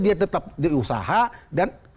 dia tetap diusaha dan